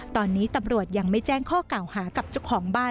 ตอนนี้ตำรวจยังไม่แจ้งข้อกล่าวหากับเจ้าของบ้าน